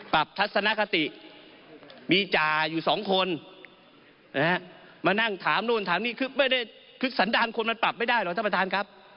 ทัศนคติมีจ่าอยู่สองคนนะฮะมานั่งถามนู่นถามนี่คือไม่ได้คือสันดาลคนมันปรับไม่ได้หรอกท่านประธานครับ